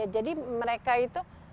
jadi mereka itu